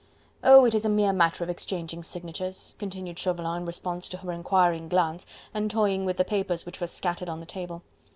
"Oh! it is a mere matter of exchanging signatures," continued Chauvelin in response to her inquiring glance and toying with the papers which were scattered on the table.